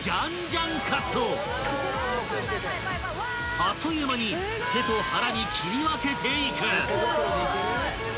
［あっという間に背と腹に切り分けていく］